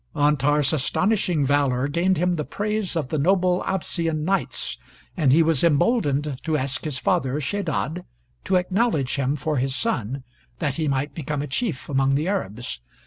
[Antar's astonishing valor gained him the praise of the noble Absian knights, and he was emboldened to ask his father Shedad to acknowledge him for his son, that he might become a chief among the Arabs.